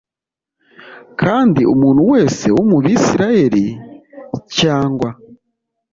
Kandi umuntu wese wo mu Bisirayeli cyangwa